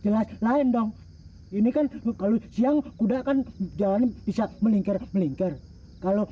lain lain dong ini kan kalau siang udah kan jalan bisa melingkar melingkar kalau